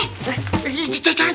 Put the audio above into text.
jangan jangan lu gausah mandi